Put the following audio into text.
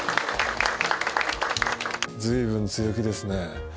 随分強気ですね。